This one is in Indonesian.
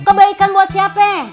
kebaikan buat siapa